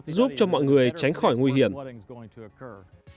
giúp cho mọi người tránh khỏi những con đường nguy hiểm